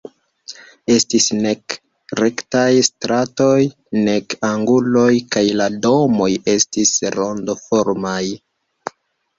Estis nek rektaj stratoj nek anguloj kaj la domoj estis rondoformaj.